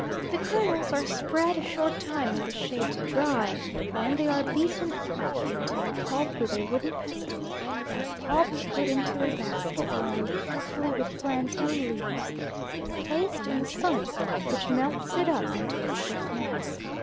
The kernels are spread a short time in the shade to dry; then they are beaten up into a pulp with a wooden pestle, and the pulp put into a basket lined carefully with plantain leaves and placed in the sun, which melts it up into a stiff mass.